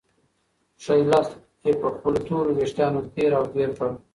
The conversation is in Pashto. ښی لاس یې په خپلو تورو وېښتانو کې تېر او بېر کړ.